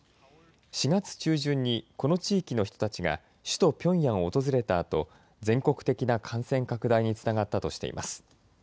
４月中旬にこの地域の人たちが首都ピョンヤンを訪れたあと、全国的な感染拡大につながったとしています。